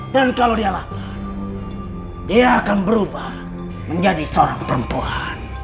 dan kalau dia lakukan dia akan berubah menjadi seorang perempuan